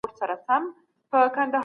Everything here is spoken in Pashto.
نولسمه پېړۍ تر ټولو مهم وخت و.